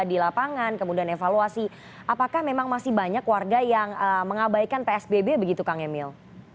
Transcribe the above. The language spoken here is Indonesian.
di lapangan kemudian evaluasi apakah memang masih banyak warga yang mengabaikan psbb begitu kang emil